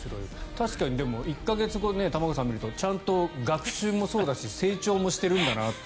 確かにでも、１か月後玉川さん、見るとちゃんと学習もそうだし成長もしてるんだなって。